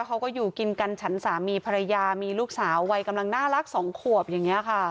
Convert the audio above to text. เขาก็อยู่กินกันฉันสามีภรรยามีลูกสาววัยกำลังน่ารักสองขวบอย่างนี้ค่ะ